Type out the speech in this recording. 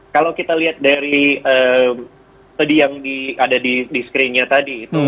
kalau kita lihat dari tadi yang ada di screen nya tadi